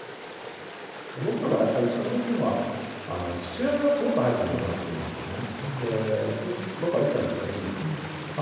僕の場合はやっぱり一番大きいのは父親がすごく早くに亡くなってるんですよね。